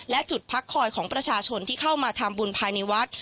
และจุดพักคอยของประชาชนที่เข้ามาทำบุญภายในวัด